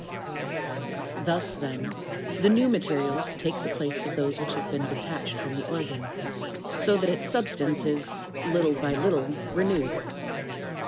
4. Thus, then, the new materials take the place of those which have been detached from the organ, so that its substance is, little by little, renewed.